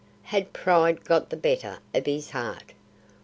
Had pride got the better of his heart?